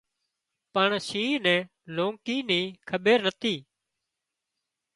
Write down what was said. پڻ شينهن نين لونڪي ني کٻير نتي